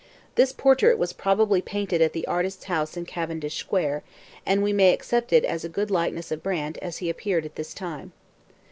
This portrait was probably painted at the artist's house in Cavendish Square, and we may accept it as a good likeness of Brant as he appeared at this time.